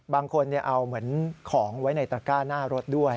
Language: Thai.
บางคนเอาเหมือนของไว้ในตระก้าหน้ารถด้วย